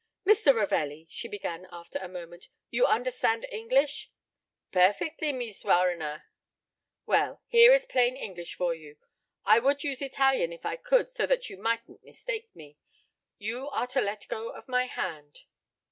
"Mr. Ravelli," she began after a moment, "you understand English?" "Perfectly, Mees Warriner." "Well, here is plain English for you. I would use Italian if I could, so that you mightn't mistake me. You are to let go of my hand."